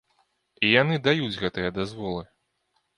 І яны даюць гэтыя дазволы.